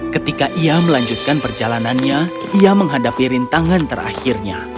ketika ia melanjutkan perjalanannya ia menghadapi rintangan terakhirnya